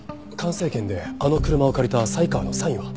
生研であの車を借りた才川のサインは？